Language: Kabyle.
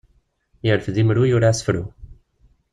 Yerfed imru, yura asefru.